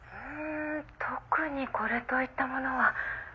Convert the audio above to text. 特にこれといったものは。